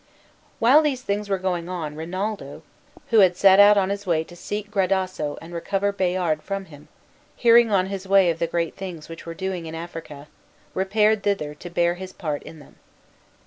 While these things were going on, Rinaldo, who had set out on his way to seek Gradasso and recover Bayard from him, hearing on his way of the great things which were doing in Africa, repaired thither to bear his part in them.